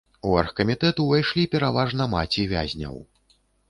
У аргкамітэт увайшлі пераважна маці вязняў.